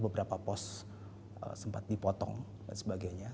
beberapa pos sempat dipotong dan sebagainya